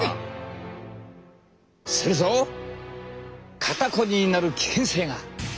すると肩こりになる危険性が！